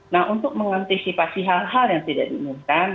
nah untuk mengantisipasi hal hal yang tidak diinginkan